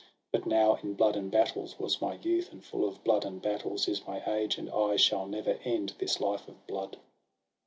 But now in blood and battles was my youth, And full of blood and battles is my age. And I shall never end this life of blood.'